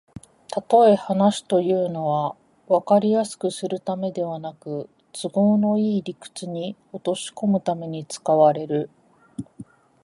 たとえ話というのは、わかりやすくするためではなく、都合のいい理屈に落としこむために使われる